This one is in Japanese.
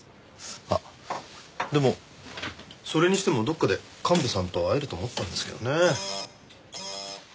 あっでもそれにしてもどこかで神戸さんと会えると思ったんですけどねえ。